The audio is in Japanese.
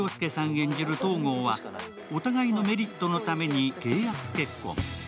演じる東郷は、お互いのメリットのために契約結婚。